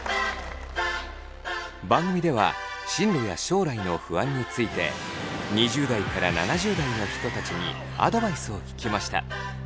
番組では進路や将来の不安について２０代から７０代の人たちにアドバイスを聞きました。